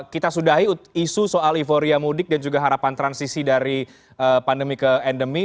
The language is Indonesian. kita sudahi isu soal euforia mudik dan juga harapan transisi dari pandemi ke endemi